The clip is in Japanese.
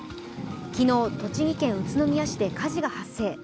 昨日、栃木県宇都宮市で火事が発生。